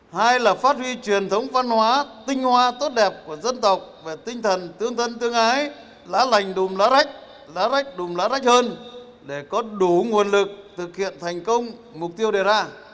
hai là phát huy truyền thống văn hóa tinh hoa tốt đẹp của dân tộc và tinh thần tương thân tương ái lá lành đùm lá rách lá rách đùm lá rách hơn để có đủ nguồn lực thực hiện thành công mục tiêu đề ra